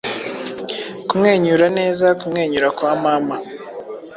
Kumwenyura neza, kumwenyura kwa mama,